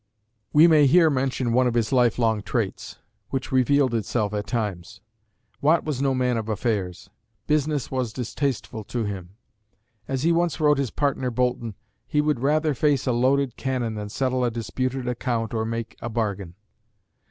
We may here mention one of his lifelong traits, which revealed itself at times. Watt was no man of affairs. Business was distasteful to him. As he once wrote his partner, Boulton, he "would rather face a loaded cannon than settle a disputed account or make a bargain."